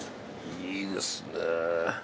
いいですねえ。